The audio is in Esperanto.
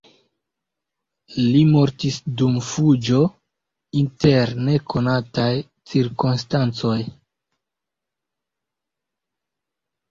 Li mortis dum fuĝo inter nekonataj cirkonstancoj.